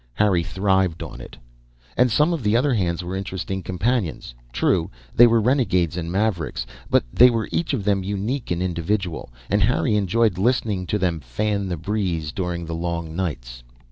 Harry thrived on it. And some of the other hands were interesting companions. True, they were renegades and mavericks, but they were each of them unique and individual, and Harry enjoyed listening to them fan the breeze during the long nights.